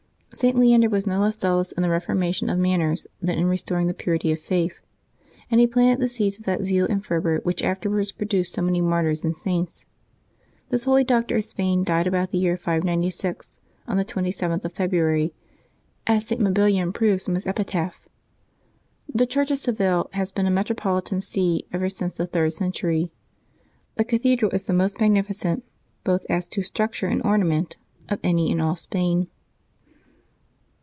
St. Leander was no less zealous in the reformation of manners than in restoring the purity of faith; and he planted the seeds of that zeal and fervor which afterwards produced so many martyrs and Saints. This holy doctor of Spain died about the year 596, on the 27th of February, as Mahillon proves from his epitaph. The Church of Seville has been a metropolitan see ever since the third century. The cathedral is the most magnificent, both as to structure and ornament, of any in all Spain.